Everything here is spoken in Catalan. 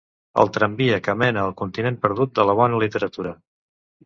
El tramvia que mena al continent perdut de la bona literatura.